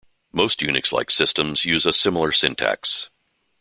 Most Unix-like systems use a similar syntax.